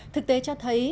thực tế cho thấy